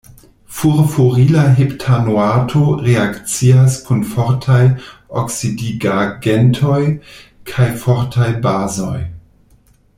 Furfurila heptanoato reakcias kun fortaj oksidigagentoj kaj fortaj bazoj.